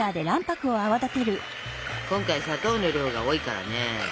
今回砂糖の量が多いからね。